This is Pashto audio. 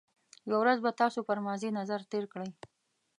یو ورځ به تاسو پر ماضي نظر تېر کړئ.